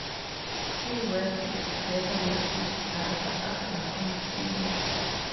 He worked together with his brother Abraham Simon.